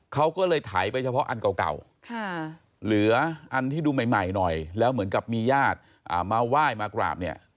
เขาก็เลยไถไปเฉพาะอันเก่าเหลืออันที่ดูใหม่หน่อยแล้วเหมือนกับมีญาติมาไหว้มากราบเนี่ย